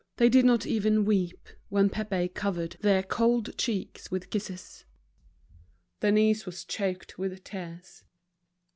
They did not even weep when Pépé covered their cold cheeks with kisses. Denise was choked with tears.